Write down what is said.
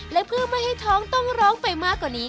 และเพื่อไม่ให้ท้องต้องร้องไปมากกว่านี้